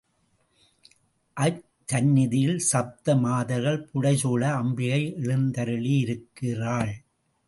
அச்சந்நிதியில் சப்த மாதர்கள் புடை சூழ அம்பிகை எழுந்தருளியிருக்கிறாள்.